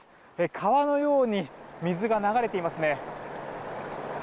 川のように水が流れていますね。